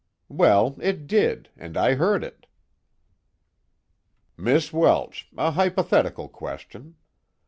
"Well, it did, and I heard it." "Miss Welsh, a hypothetical question.